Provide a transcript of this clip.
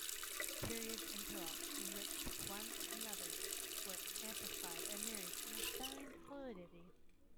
Periods interlocked, enriched one another, were amplified and married in a stunning fluidity.